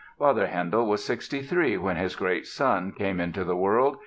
Father Handel was 63 when his great son came into the world.